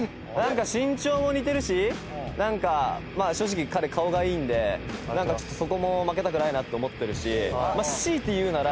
身長も似てるしなんか正直彼顔がいいんでちょっとそこも負けたくないなって思ってるし。